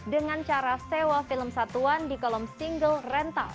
dengan cara sewa film satuan di kolom single rental